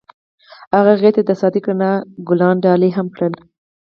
هغه هغې ته د صادق رڼا ګلان ډالۍ هم کړل.